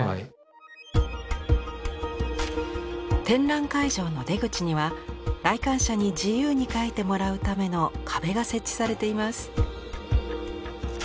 展覧会場の出口には来館者に自由にかいてもらうための壁が設置されています。